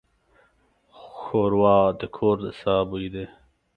ښوروا د کور د ساه بوی دی.